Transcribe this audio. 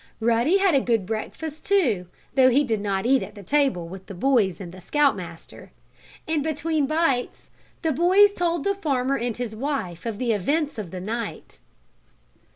Ruddy had a good breakfast, too, though he did not eat at the table with the boys and the Scout Master. And between bites the boys told the farmer and his wife of the events of the night.